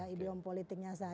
idiom politiknya saja